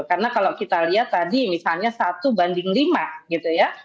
karena kalau kita lihat tadi misalnya satu banding lima gitu ya